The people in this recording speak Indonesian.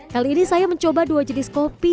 kali ini saya mencoba dua jenis kopi